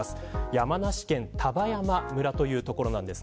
山梨県丹波山村という所です。